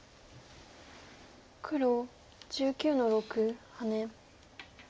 黒１９の六ハネ。